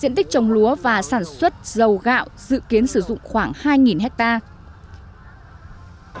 diện tích trồng lúa và sản xuất dầu gạo dự kiến sử dụng khoảng hai hectare